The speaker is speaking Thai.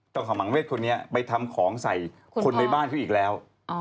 ต้องขอหมางเวศคนนี้ไปทำของใส่คนในบ้านที่อีกแล้ว